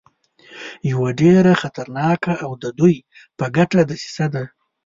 یوه ډېره خطرناکه او د دوی په ګټه دسیسه ده.